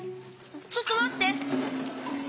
ちょっとまって！